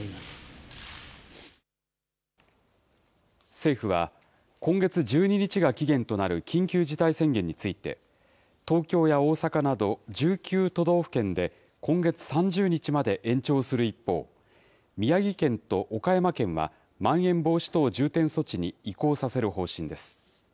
政府は、今月１２日が期限となる緊急事態宣言について、東京や大阪など１９都道府県で今月３０日まで延長する一方、宮城県と岡山県は、まん延防止等重点措置に移行させる方針です。